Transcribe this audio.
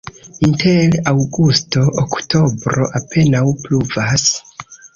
Inter aŭgusto-oktobro apenaŭ pluvas.